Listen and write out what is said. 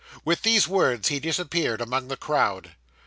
With these words he disappeared among the crowd.